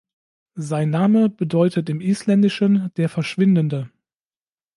Sein Name bedeutet im Isländischen der "Verschwindende".